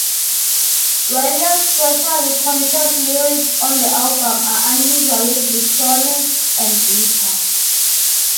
Weller's socially conscious lyrics on the album are unusually vitriolic and bitter.